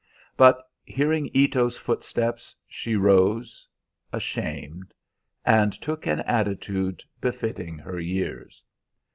But hearing Ito's footsteps, she rose ashamed, and took an attitude befitting her years.